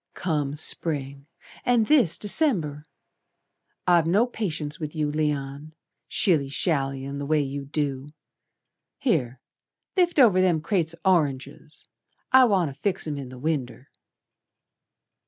"Come Spring, and this December! I've no patience with you, Leon, Shilly shallyin' the way you do. Here, lift over them crates o' oranges I wanter fix 'em in the winder."